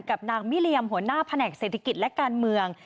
กับนางมิเรียมหัวหน้าแผนกเศรษฐกิจและการเมือง